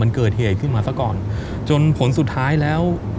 มันเกิดเหตุขึ้นมาซะก่อนจนผลสุดท้ายแล้ว